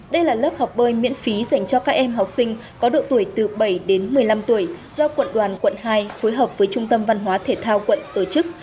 đây là lớp học bơi miễn phí dành cho các em học sinh có độ tuổi từ bảy đến một mươi năm tuổi do quận đoàn quận hai phối hợp với trung tâm văn hóa thể thao quận tổ chức